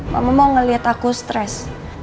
mama mau ngelihat aku stres